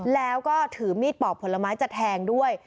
แล้วก็ถือมีดปอกผลไม้จะแทงด้วย